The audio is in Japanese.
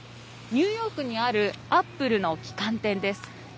ニューヨークにあるアップルの旗艦店です。